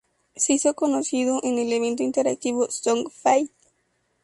Se hizo conocido en el evento interactivo "Song Fight!